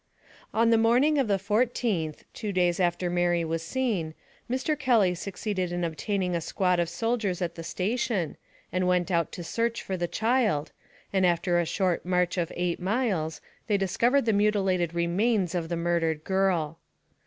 On the morning of the 14th, two days after Mary was seen, Mr. Kelly succeeded in obtaining a squad of soldiers at the station, and went out to search for the child, and after a short march of eight miles, they dis covered the mutilated remains of the murdered girl.